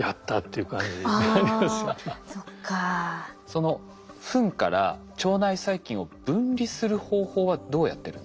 そのフンから腸内細菌を分離する方法はどうやってるんですか？